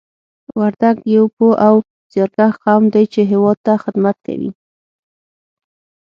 وردګ یو پوه او زیارکښ قوم دی چې هېواد ته خدمت کوي